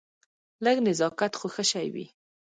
لږ نزاکت خو ښه شی وي.